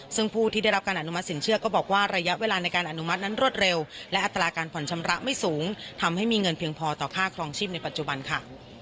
ซึ่งผู้ที่ได้รับการอนุมัติสินเชื่อก็บอกว่าระยะเวลาในการอนุมัตินั้นรวดเร็วและอัตราการผ่อนชำระไม่สูงทำให้มีเงินเพียงพอต่อค่าครองชีพในปัจจุบันค่ะ